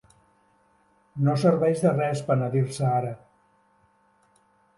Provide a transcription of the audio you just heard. No serveix de res penedir-se ara.